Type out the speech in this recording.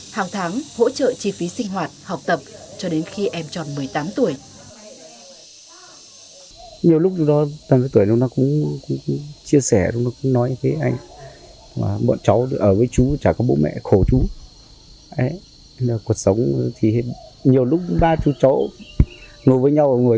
hàng tháng hỗ trợ chi phí sinh hoạt học tập cho đến khi em tròn một mươi tám tuổi